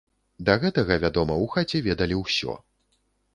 Да гэтага, вядома, у хаце ведалі ўсё.